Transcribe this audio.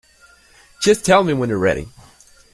Just tell me when you're ready.